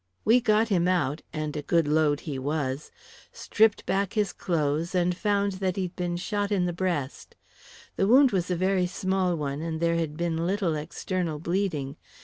We got him out and a good load he was stripped back his clothes, and found that he'd been shot in the breast. The wound was a very small one, and there had been little external bleeding.